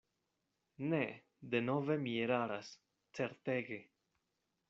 Ne, denove mi eraras, certege.